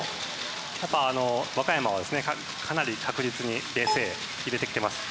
やっぱ和歌山はですねかなり確実にベースＡ入れてきてます。